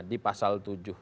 di pasal tujuh